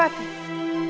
rambut kiri pati